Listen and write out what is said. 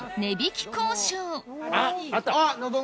あっ！